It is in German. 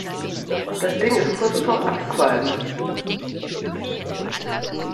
Das Ding ist kurz vorm Abqualmen.